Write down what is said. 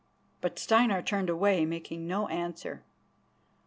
But Steinar turned away, making no answer.